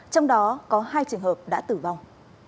trong đó có hai trường hợp đã tử vong